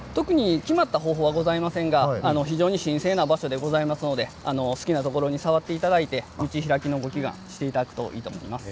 決まった方法はございませんが非常に神聖な場所でございますので好きなところに触っていただいてみちひらきのご祈願をしていただければいいと思います。